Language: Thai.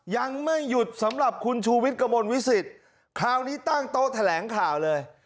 ยังไม่หยุดสำหรับคุณชูวิทย์กระมวลวิสิตคราวนี้ตั้งโต๊ะแถลงข่าวเลย